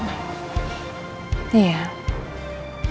aku juga gak akan biarin ini berakhir